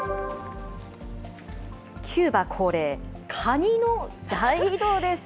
キューバ恒例、カニの大移動です。